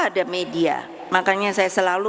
ada media makanya saya selalu